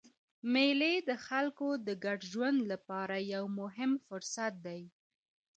مېلې د خلکو د ګډ ژوند له پاره یو مهم فرصت دئ.